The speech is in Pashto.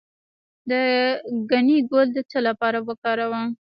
د ګنی ګل د څه لپاره وکاروم؟